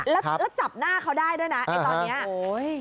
แล้วจับหน้าเขาได้ด้วยนะในตอนนี้